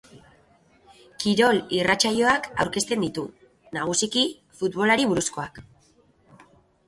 Kirol irratsaioak aurkezten ditu, nagusiki futbolari buruzkoak.